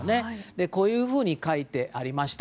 こういうふうに書いてありました。